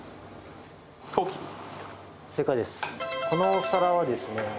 このお皿はですね